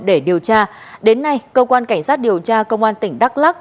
để điều tra đến nay cơ quan cảnh sát điều tra công an tỉnh đắk lắc